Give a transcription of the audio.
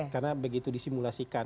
karena begitu disimulasikan